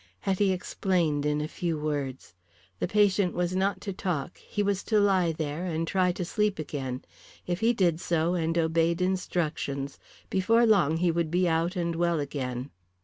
Hetty explained in a few words. The patient was not to talk. He was to lie there and try to sleep again. If he did so and obeyed instructions, before long he would be out and well again.